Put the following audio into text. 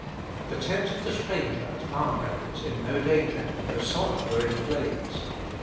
The tent of the stranger at Mamre was in no danger, though Sodom were in flames.